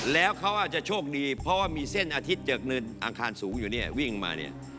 แล้วเขาอาจจะโชคดีเพราะว่ามีเส้นอาทิตย์จากเนินอังคารสูงอยู่เนี่ยวิ่งมาเนี่ย